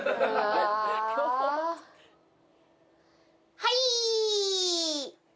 はい。